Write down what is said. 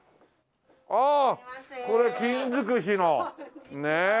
ああこれ金尽くしのねえ。